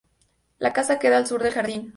La casa queda al sur del jardín.